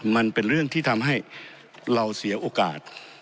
มันเป็นเรื่องที่ทำให้เราเสียโอกาส